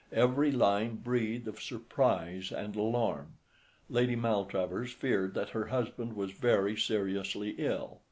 Every line breathed of surprise and alarm. Lady Maltravers feared that her husband was very seriously ill.